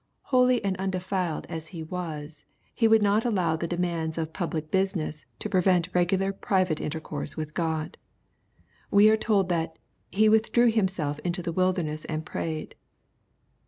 Holy and undefiled as He was^e would not allow the demands of public business to prevent regular private intercourse with God. We are told that " He withdrew himself into the wilderness and prayed."